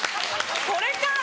これか！